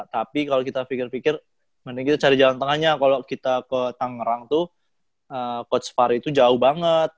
tapi kalau kita pikir pikir mending kita cari jalan tengahnya kalau kita ke tangerang tuh coach far itu jauh banget